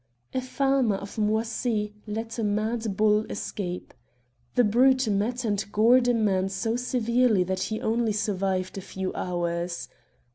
A farmer of Moisy let a mad bull escape. The brute met and gored a man so severely that he only survived a few hours.